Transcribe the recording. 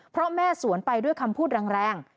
เพราะแม่สวนไปด้วยคำพูดแรง